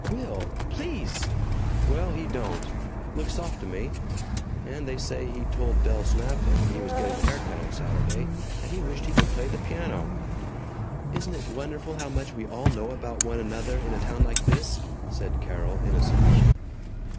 "Will! PLEASE!" "Well, he don't. Looks soft to me. And they say he told Del Snafflin, when he was getting a hair cut on Saturday, that he wished he could play the piano." "Isn't it wonderful how much we all know about one another in a town like this," said Carol innocently.